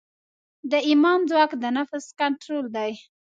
د ایمان ځواک د نفس کنټرول دی.